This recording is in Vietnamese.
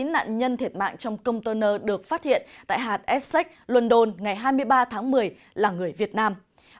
ba mươi chín nạn nhân thiệt mạng trong công tơ nơ được phát hiện tại hạt essex london ngày hai mươi ba tháng một mươi là người việt nam